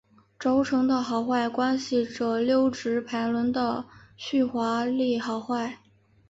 轴承的好坏关系着溜直排轮的续滑力好坏。